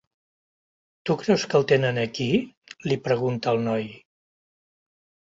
Tu creus que el tenen aquí? —li pregunta el noi.